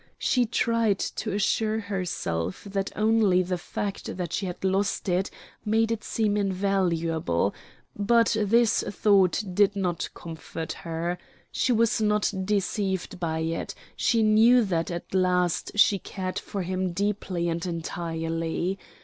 She tried to assure herself that only the fact that she had lost it made it seem invaluable, but this thought did not comfort her she was not deceived by it, she knew that at last she cared for him deeply and entirely.